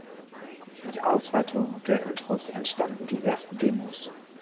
Mit Ausweitung der Intros entstanden die ersten Demos.